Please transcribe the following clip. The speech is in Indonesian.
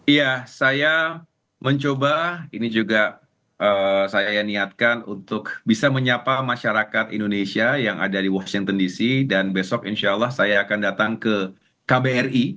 iya saya mencoba ini juga saya niatkan untuk bisa menyapa masyarakat indonesia yang ada di washington dc dan besok insya allah saya akan datang ke kbri